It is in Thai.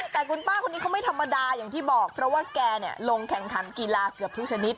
แต่คุณป้าคนนี้เขาไม่ธรรมดาอย่างที่บอกเพราะว่าแกลงแข่งขันกีฬาเกือบทุกชนิด